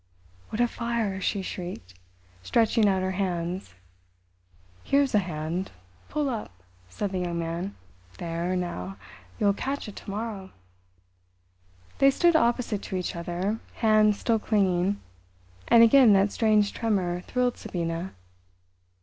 "What a fire," she shrieked, stretching out her hands. "Here's a hand; pull up," said the Young Man. "There, now, you'll catch it to morrow." They stood opposite to each other, hands still clinging. And again that strange tremor thrilled Sabina.